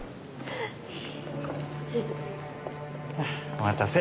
・お待たせ。